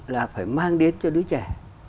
là phải mang đến cho đứa trẻ